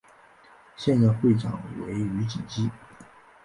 现任会长为余锦基。